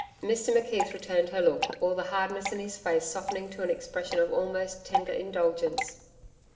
Mr McKeith returned her look, all the hardness in his face softening to an expression of almost tender indulgence.